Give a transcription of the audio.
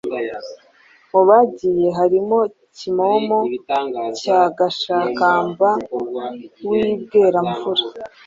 Mu bagiye harimo Kimomo cya Gashakamba w’i Bweramvura.